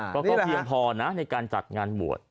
ก็เพียงพอนะในการจัดงานบวช